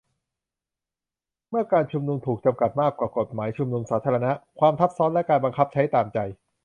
เมื่อการชุมนุม ถูกจำกัดมากกว่ากฎหมายชุมนุมสาธารณะ : ความทับซ้อนและการบังคับใช้ตามใจ